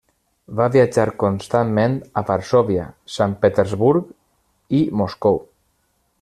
Va viatjar constantment a Varsòvia, Sant Petersburg i Moscou.